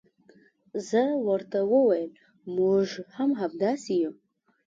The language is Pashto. زه ورته وویل موږ هم همداسې یو.